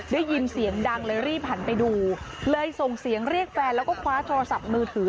ได้ยินเสียงดังเลยรีบหันไปดูเลยส่งเสียงเรียกแฟนแล้วก็คว้าโทรศัพท์มือถือ